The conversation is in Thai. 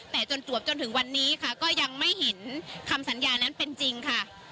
แต่จนจวบจนถึงวันนี้ค่ะก็ยังไม่เห็นคำสัญญานั้นเป็นจริงค่ะ